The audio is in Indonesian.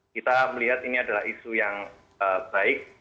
kita melihat ini adalah isu yang baik